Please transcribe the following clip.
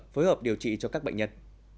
phối hợp điều trị cho các bệnh nhân